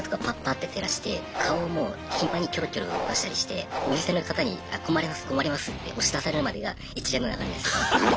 ッて照らして顔をもう頻繁にキョロキョロ動かしたりしてお店の方に「あ困ります困ります」って押し出されるまでが一連の流れです。